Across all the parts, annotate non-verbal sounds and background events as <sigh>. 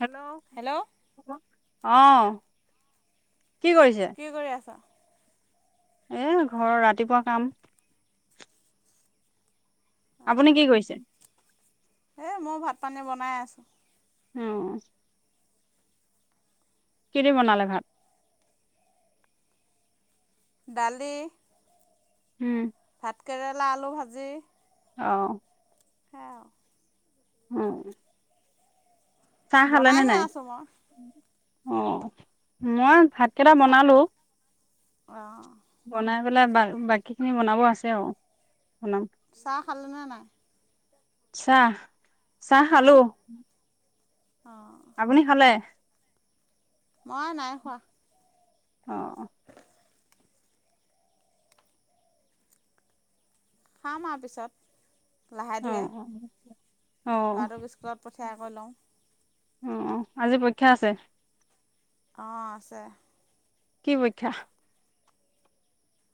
Hello <inaudible> অঁ। কি কৰি আছা? এ ঘৰৰ ৰাতিপুৱা কাম আপুনি কি কৰিছে? হ মই ভাত পানী বনাই আছোঁ। অ। কি দি বনালে ভাত? দালি। হম। ভাত কেৰেলা, আলু ভাজি অহ সেয়া আও। উম। চাহ খালে নে বনাইহে নাই? আছোঁ মই অ মই ভাত কেইটা বনালো। অ। বনাই পেলাই বা বাকী খিনি বনাব আছে আৰু। চাহ খালে নে নাই? চা। চাহ খালো অ আপুনি খালে মই নাই খোৱা অ খাম আ পিছত লাহে ধিয়ে অ', অ', অ', ল'ৰাটোক স্কুলত পঠিয়াই কৈ লওঁ অ আজি পৰীক্ষা আছে অ আছে কি পইখ্যা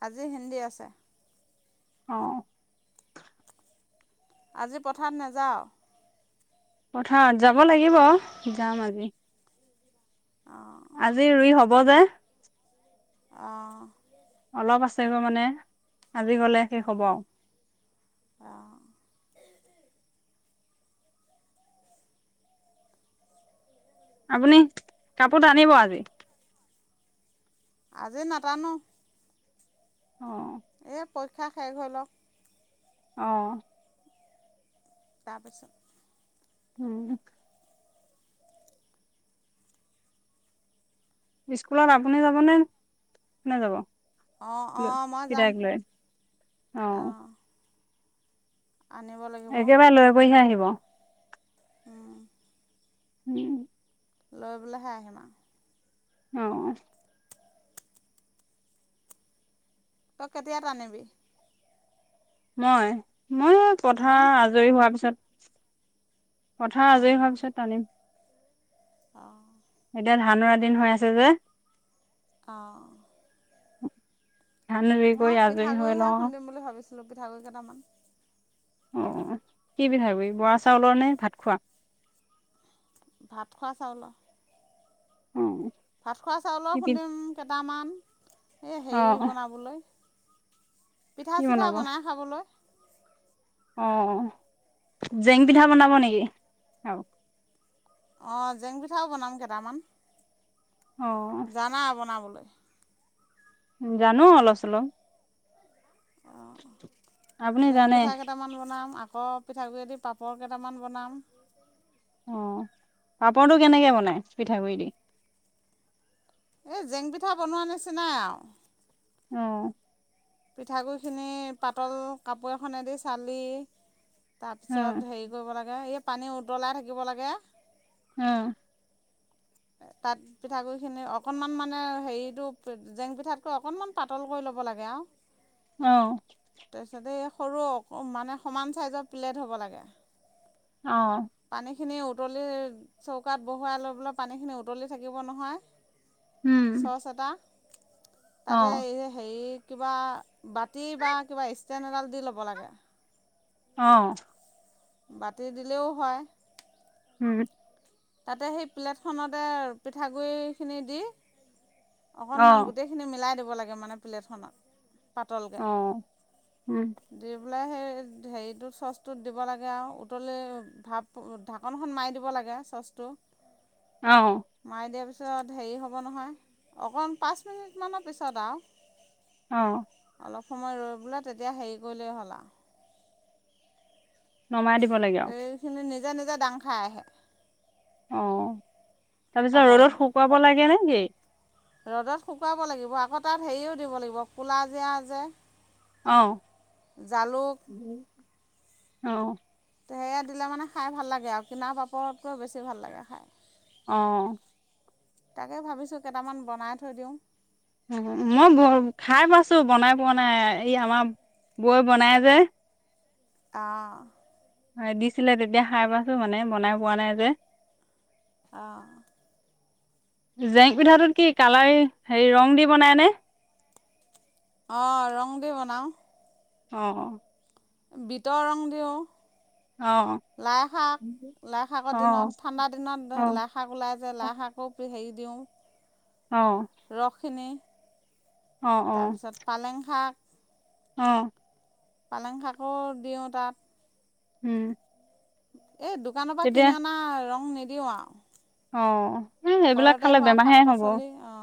আজি হিন্দী আছে অহ আজি পথাত নাযাঅ পথাৰত যাব লাগিব যাম আজি অঁ আজি ৰুই হ'ব ব জে অহ অলপ আছে গৈ মানে আজি গ'লে শেষ হ'ব অঁ আও অঁ আপুনি কাপো তানিব আজি আজি নাটানো অ এই পৰীক্ষা শেষ হৈ লক অহ তা পিছত উম স্কুলত আপুনি যাব নে কোনে যাব অ অ মই যাম পিতাইক লৈ অ একেবাৰে লৈ বহি হে আহিব <unintelligible> উম উম লৈ পেলে হে আহিম আও অ তই কেতিয়া তানিবি মই মই অঁ পথাৰ আজৰি হোৱাৰ পিছত পথাৰ আজৰি অঁ হোৱাৰ পিছত টানিম অঁ এতিয়া ধা ধান ৰুৱা দিন হৈ আছে যে অঁ ধান বিক্ৰী কৰি আজৰি হৈ লওঁ আও পিঠাগুড়ী কেইটামান অ কি পিঠাগুৰি বৰা চাউলৰ নে ভাত খোৱা ভাত খোৱা চাউলৰ অ ভাত খোৱা কি চাউলৰ পি খুন্দিম কেইটামান এই অ হেৰি বনাবলৈ পিঠা কি চিঠা বনাব বনাই খাবলৈ অঁ জেং পিঠা বনাব নেকি আৰু অঁ জেং পিঠাও বনাম কেটামান অ জানা বনাবলৈ <inaudible> জানো অলপ চলপ অঁ আপুনি জেং জানে পিঠা কেইটামান বনাম আকৌ আকৌ পিঠাগুড়িদি পাপৰ কেইটামান বনাম আহ পাপৰটো কেনেকে বনাই পিঠাগুৰি দি এই জেং পিঠা বনোৱা নিচিনি নাই আৰু আহ পিঠাগুৰিখিনি পাতল কাপোৰ এখনেদি চালি তাৰ উম পিছত হেৰি কৰিব লাগে এই পানী উতলাই থাকিব লাগে উম তাত পিঠাগুৰিখিনি অকণমান মানে হেৰিটো জেং পিঠাতকৈ অকণমান পাতল কৰি ল'ব লাগে আৰু অ তাৰ পাছতে সৰু মানে সমান চাইজৰ প্লেট হ'ব লাগে আহ খিনি উতলি চৌকাত বহুৱাই ল'বলৈ পানীখিনি উতলি থাকিব নহয় উম ছচ এটা অ তাতে এই হেৰি কিবা বাতি বা কিবা ষ্টেণ্ড এডাল দি ল'ব লাগে আহ বাতি দিলেও হয় উম তাতে সেই প্লেটখনতে পিঠাগুৰিখিনি দি অ অকনমান গোটেই খিনি মিলাই দি ল মানে পপ্লেট খনত অহ উম। দি হেৰিটোত সষ্টোত দিব লাগে আও উতলি ধাকনখন মাৰি দিনক লাগে। টো। অ মাই দিয়া পাছত। পিছত হেৰি হ'ব নহয় অকণ পাঁচ মিনিটমানৰ পিছত আও। অও। অলপ সময় ৰৈ বোলে তেতিয়া হেৰি কৰিলেই হ'ল আও। নমাই দিব লাগে আও। নিজে নিজে ডাং খাই আহে। অহ। তাৰপিছত ৰ'দত পাপৰখিনি শুকুৱাব লাগে নে। ইয়ে। ৰ'দত শুকুৱাব লাগিব আকৌ তাত হেৰিও দিব লাগিব কলা জীয়া যে। অ। জালুক অ। তেহেকীয়া দিলে মানে খাই ভাল লাগে আৰু কিনাৰ পাপৰতকৈ বেছি ভাল লাগে খায়। অহ। তাকে ভাবিছোঁ কেইটামান বনাই থৈ দিওঁ। মই খাই পাইছো। অহ। হয় দিছিলে তেতিয়া খাই পাছো মানে বনাই পোৱা নাই যে। অহঁ। জেং পিঠাটোত কি কালাৰ হেৰি ৰং দি বনাই নে। অ ৰং দি বনাওঁ। অ। বিতৰ ৰং দিউ। অ', লাইশাক লাইশাকৰ দিনত ঠাণ্ডা দিনত অ', লাইশাক ওলাই যায় অ', লাইশাকো হেৰি। দিওঁ। অ', ৰস খনি। তাৰপিছত পালেং শাক। অহ। পালেং শাকো দিওঁ তাত। উম। এই দোকানৰ পৰা তেতিয়া কিনি অনা ৰং নি দিওঁ আও। অঁ। ঘৰতে হোৱা শাক পাচলি অ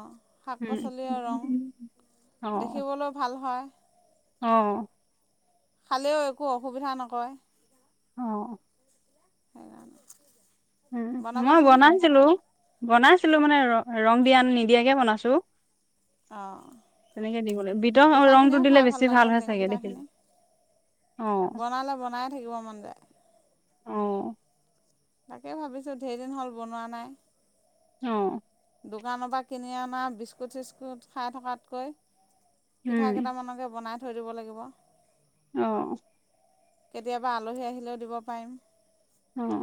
শাক উম। পাচলি ৰং দেখিবলৈও ভাল হয়। অহ। খালেও একো অসুবিধা নকয়। অ। উম মই বনাবাচোন বনাইছিলো। বনাইছিলো মানে ৰ ৰং দিয়া নিদিয়াকে বনাইছো। অ, তেনেকে দিবলৈ বিটৰ ৰংটো পিঠাখিনিও দিলে খাই ভাল বেছি লাগে। হয় জেং চাগে দেখিলো, পিঠাখিনি অ', বনালে বনায়ে থাকিব মন যায়। অ', তাকে ভাবিছোঁ ধেৰ দিন হ'ল বনোৱা নাই। অ দোকানৰ পৰা কিনি অনা বিস্কুট চিস্কুট খাই থকাতকৈ পিঠা উম, কেইটামানকে বনাই থ থৈ দিব লাগিব। অঅ। কেতিয়াবা আলহী আহিলেও দিব পাৰিম। উম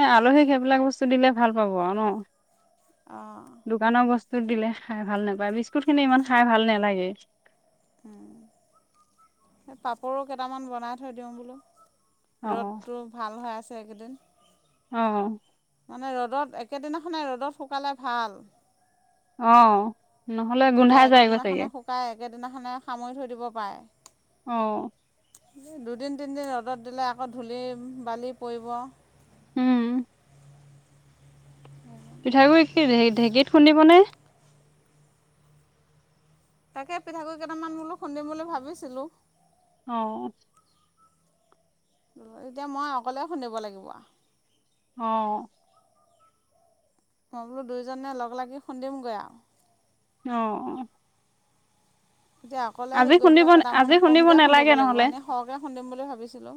এ আলহীক সেইবিলাক বস্তু দিলে ভাল পাব আৰু ন। অ। দোকানৰ বস্তু দিলে খাই ভাল নাপায়। বিস্কুট খিনি ইমান খাই ভাল নালাগে। উম এই পাপৰো কেইটামান বনাই থৈ দিওঁ বোলো। অ ৰ'দ টো ভাল হৈ আছে। এইকেইদিন অ। মানে ৰ'দত একেদিনাখনে ৰ'দত শুকালে ভাল। অ। নহ'লে গোন্ধাই যায় গৈ চাগে। সেইদিনাখনে সামৰি থৈ দিব পাৰে। অ। দুদিন তিনিদিন ৰ'দত দিলে আকৌ ধূলি বালি পৰিব। উম। পিঠাগুড়ি কি ঢেঁকীত খুন্দিবনে? তাকে পিঠাগুড়ি কেইটামান বোলো খুন্দিম বুলি ভাবিছিলোঁ। অ। এতিয়া মই অকলে খুন্দিব লাগিব অ। অঅ। মই বোলো দুয়োজনে লগ লাগি খুন্দিমগৈ আৰু। অ। এতিয়া অকলে হেৰি আজি কৰিবলে খুন্দিব আজি কেইটামান কমকে খুন্দিব নালাগে লাগিব। নহ'লে এনে সৰহকে খুন্দিম বুলি ভাবি ভাবিছিলো।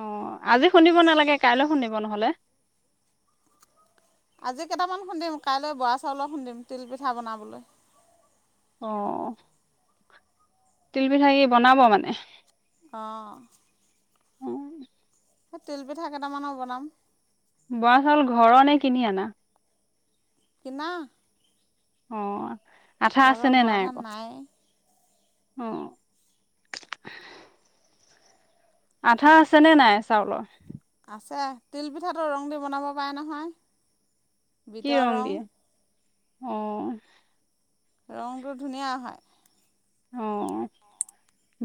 অ আজি খুন্দিব নালাগে, কাইলৈ খুন্দিব নহলে। আজি কেইটামান খুন্দিম। কাইলৈ বৰা চাউলৰ খুন্দিম, তিলপিঠা বনাবলে। অ তিল পিঠা এই বনাব মানে? অঁ। উম তিল পিঠা কেইটামানো বনাম। বৰা চাউল ঘৰৰ নে কিনি আনা? কিনা। অঁ আঠা ঘৰৰ আছেনে বৰা নাই ধান আকৌ? অঁ। আঠা আছেনে নাই চাউলৰ? আছে তিলপিঠাটো ৰং দি বনাব পাৰে নহয়। বিতৰং। অঁ। ৰংটো ধুনীয়া হয়। অঁ।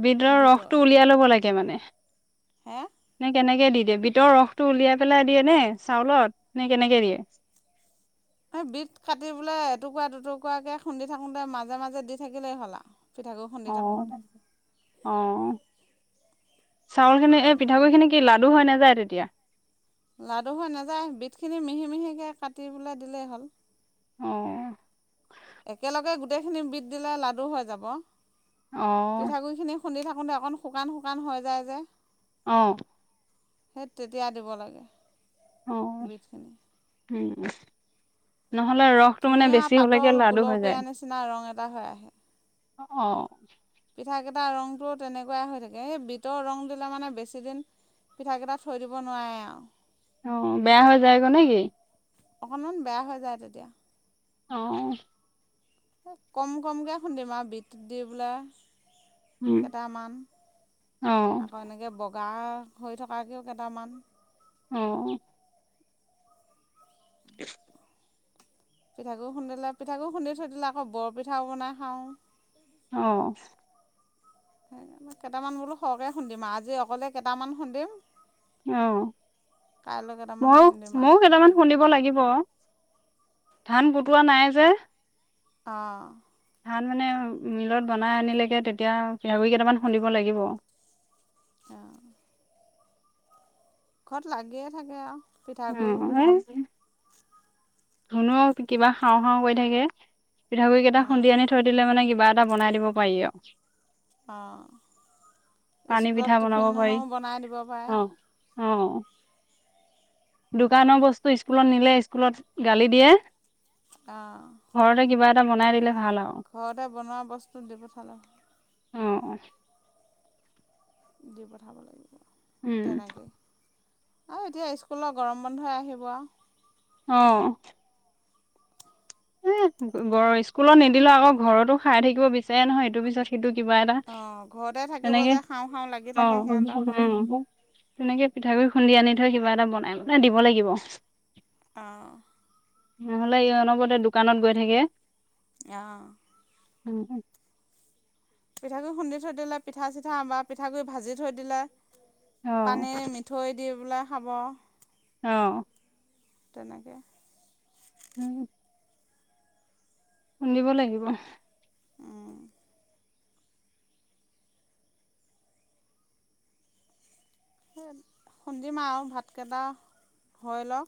ভিতৰ বিটৰ ৰসটো উলিয়াই ল'ব লাগে। তে মানে। হে ন কেনে কি, কেনেকে দি দিয়ে বিতৰ ৰসটো উলিয়াই পেলাই দিয়ে নে চাউলত নে কেনেকে দিয়ে? এ বিট কাটি বোলে এটুকুৰা দুটুকুৰাকে খুন্দি থাকোতে মাজে মাজে দি থাকিলেই হল আৰু। অঁ অঁ চাউল খিনি এ বিটখিনি পিঠাগুৰি খিনি কি লাগ। দ হৈ নাযায় তেতিয়া। লাডু হৈ নাযায় বিধখিনি মিহি মিহিকে কাটি পেললৈ দিলেই হ'ল। অঁ। একেলগে গোটেই খিনি বিধ দিলে লাডু হৈ যাব। অ পিঠাগুৰি খিনি খুন্দি থাক। কোতে অকণ শুকান শুকান হৈ যায় যে। অঁ। সেই তেতিয়া দিব লাগে। অ বিতখিনি। উম। নহ'লে ৰসটো মানে ধুনীয়া বেছি হলেকে পাতল লাডু হৈ গুলপীয়া নিচিনা ৰং এটা হয় আহে। অঁ। পিঠাকেইটা ৰংটো তেনেকুৱাই হৈ থাকে সেই বিতৰ ৰং দিলে মানে বেছিদিন পিঠাকেইটা থৈ দিব নোৱাৰে আৰু। অঁ বেয়া হৈ যায়গ নেকি? অকণমান বেয়া হৈ যায় তেতিয়া। অঁ। কম কমকৈ খুন্দিম আৰু বিতটো দি বোলে। উম কেইটামান অ আকৌ। গা হৈ থকাকৈও কেইটামান। অঁ। <unintelligible> পিঠাকু খুন্দিলে পিঠাু খুন্দি থৈ দিলে আকৌ বৰ পিঠাও বনাই খাওঁ। অঁ। সেইকাৰে কেইটামান বোলো সৰহকে খুন্দম আৰু আজি অকলে কেইটামান খুন্দিম। অঁ কাইলৈ কেইটামান মইয়ো খুন্দিম আৰু মইয়ো কেইটামান খুন্দিব লাগিব। ধান বটোৱা নাই যে, আহ ধান মানে মিলত বনাই আনিলেগৈ তেতিয়া পঠাগুৰি কেইটামান খুন্দিব লাগিব আহ ঘৰত লাগিয়ে থাকে আ উম ধুনোও কিবা খাওঁ খাওঁ কৰি থাকে পিঠাগুড়ি কেইটা অঁ খুন্দি আনি থৈ দিলে কিবা এটা বনাই দিব পাৰি অঁ অঁ পানী স্কুলত পিঠা টিফিনো বনাই দিব পাৰে অঁ দোকানৰ বস্তু স্কুলত নিলে স্কুলত গালি দিয়ে। আহ ঘৰতে কিবা এটা বনাই দিলে ভাল আৰু ঘৰতে বনোৱা বস্তু দি পঠালে। অঁ দি পঠাব লাগিব। উম তেনেকৈ আৰু এতিয়া স্কুলৰ গৰম বন্ধই আহিব আৰু অঁহ এ স্কুলত নিদিলে আকৌ ঘৰতো খাই থাকিব বিচাৰে নহয় ইটো পিছত সিটো কিবা এটা অঁ ঘৰতে থাকিব তেনেকে যে খাওঁ খাওঁ লাগি অ থাকে সিহঁতৰ তেনেকে পিঠাগুড়ি খুন্দি আনি থৈ কিবা এটা বনাই বনাই দিব লাগিব অঁ নহ'লে অনবৰতে দো দোকানত গৈ থাকে। আহ উওম পিঠাগুৰি খুন্দি থৈ দিলে পিঠা চিঠা আমাৰ পিঠাগুৰি ভাজি থৈ দিলে। অ', পানীৰে মিঠৈ দি পেলাই খাব আহ তেনেকে উম খুন্দিব লাগিব। খুন্দিম আও ভাতকেইটা হৈ লওক।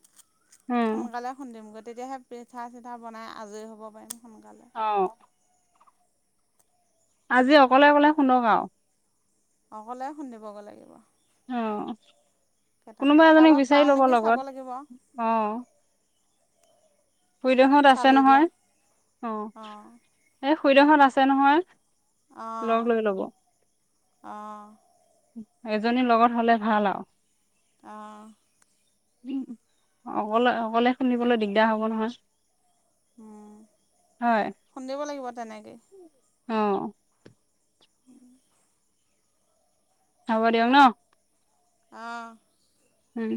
উম, সোনকালে খুন্দিম গৈ তেতিয়াহে পিঠা চিঠা বনাই আজৰি হ'ব পাৰিম। সোনকালে অঁ আজি অকলে অকলে খুন্দক আ অকলে খুন্দিবগৈ লাগিব। অ'। কেইটামান কোনোবা এজনীক কাৰোবাক বিচাৰি পাওঁ লব নেকি চাব লগত, লাগিব অ'। খুৰীদেউহঁত আছে চালি দিয়া নহয়, অ'। অঁ এ খুৰীদেউহঁত আছে নহয়। লগ লৈ লব। অ'। এজনী লগত হলে ভাল আৰু। অ'। উম, অকলে অকলে শুনিবলৈ দিগদাৰ হ'ব নহয়। উম। হয় খুন্দিব লাগিব তেনেকেই। অ'। উম। হব দিয়ক ন'? অ'। উম।